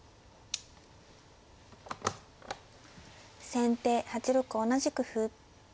先手８六同じく歩。